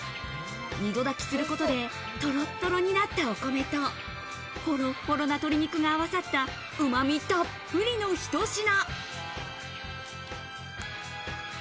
二度炊きすることでトロトロになったお米と、ほろほろな鶏肉が合わさった旨味たっぷりのひと品。